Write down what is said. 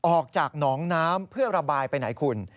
ออกจากหนองน้ำเพื่อระบายไปไหนคุณ